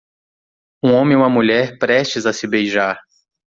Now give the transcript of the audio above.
um homem e uma mulher prestes a se beijar